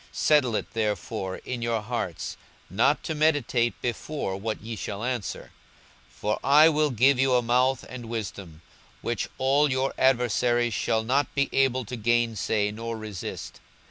42:021:014 Settle it therefore in your hearts, not to meditate before what ye shall answer: 42:021:015 For I will give you a mouth and wisdom, which all your adversaries shall not be able to gainsay nor resist.